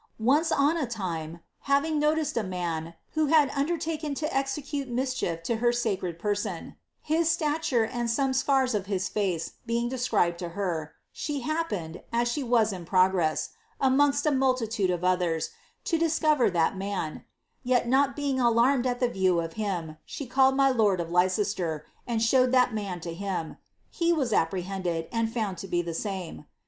Once on a time, having notice of a man who had undertaken to execute mischief to her sacred person, his sta tue and some scars of his fare being described to her, she happened, as ■be was in progress, amongst a multitude of others, to discover that BMo; yet not being alarmed at the view of him, she called my lord of l^ester, and showed that man to him ; he was apprehended, and found to he the same.